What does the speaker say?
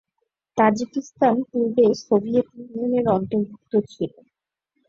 Tajikistan পূর্বে Soviet Union এর অন্তর্ভুক্ত ছিল।